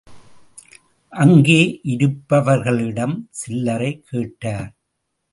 அங்கே இருப்பவர்களிடம் சில்லறை கேட்டார்.